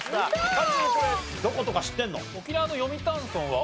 カズこれどことか知ってるの？